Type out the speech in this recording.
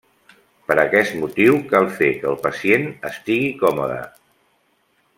Per aquest motiu, cal fer que el pacient estigui còmode.